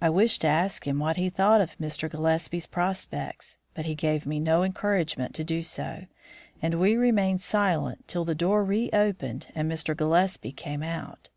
I wished to ask him what he thought of Mr. Gillespie's prospects, but he gave me no encouragement to do so, and we remained silent till the door reopened and Mr. Gillespie came out.